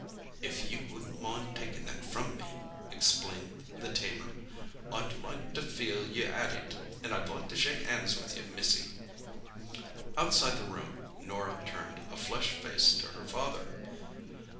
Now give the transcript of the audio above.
"If you wouldn't mind takin' that from me," explained the tamer. "I'd like to feel you had it, an' I'd like to shake hands with you, missy." Outside the room Norah turned a flushed face to her father.